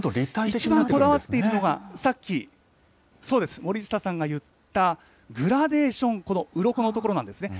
一番こだわっているのが、さっき森下さんが言ったグラデーション、このうろこの所なんですね。